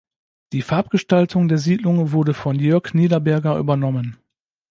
Die Farbgestaltung der Siedlung wurde von Jörg Niederberger übernommen.